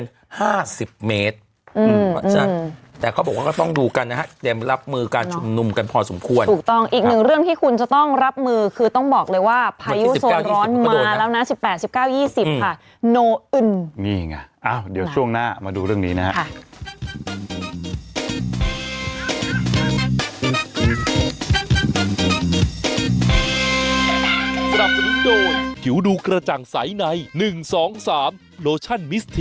น้าสิบแปดสิบเก้ายี่สิบค่ะโนอึนนี่ไงอ้าวเดี๋ยวช่วงหน้ามาดูเรื่องนี้นะฮะ